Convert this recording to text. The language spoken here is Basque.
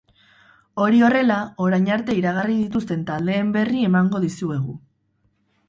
Hori horrela, orain arte iragarri dituzten taldeen berri emango dizuegu.